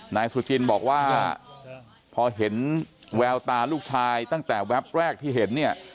นายสุจินบอกว่าพอเห็นแววตาลูกชายตั้งแต่แป๊บแรกที่เห็นเนี่ย